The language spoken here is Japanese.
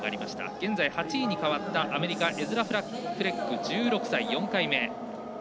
現在、８位に変わったアメリカエズラ・フレック、４回目。